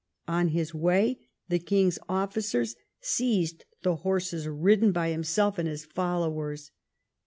On his way the king's officers seized the horses ridden by himself and his followers.